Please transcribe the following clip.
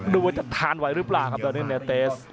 ดูว่าจะทานไหวหรือเปล่าครับตอนนี้เนเตส